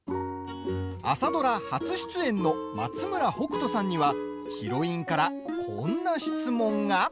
朝ドラ初出演の松村北斗さんにはヒロインからこんな質問が。